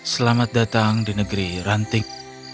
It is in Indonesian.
selamat datang di negeri rantik